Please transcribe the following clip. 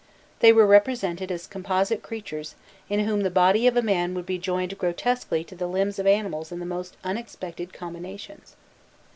They were represented as composite creatures in whom the body of a man would be joined grotesquely to the limbs of animals in the most unexpected combinations.